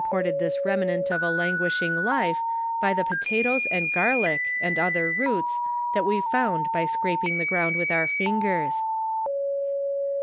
ported this remnant of a languishing life hy the potatoes and garlick, and other roots, that we found by scraping the ground with our fingera.